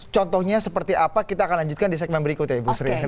contohnya seperti apa kita akan lanjutkan di segmen berikut ya ibu sri